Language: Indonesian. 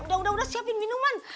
udah udah siapin minuman